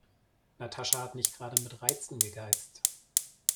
Natascha hat nicht gerade mit Reizen gegeizt.